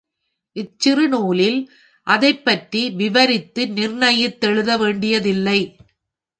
இச்சிறு நூலில் அதைப்பற்றி விவரித்து நிர்ணயித் தெழுதவேண்டியதில்லை.